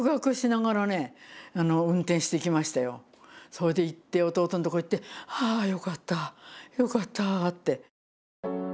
それで行って弟のところ行って「あよかったよかった」って。